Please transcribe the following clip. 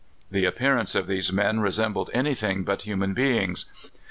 The appearance of these men resembled anything but human beings.